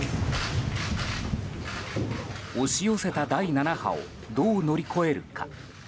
押し寄せた第７波をどう乗り越えるか。